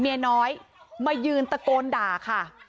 เมียน้อยมายืนตะโกนด่าค่ะ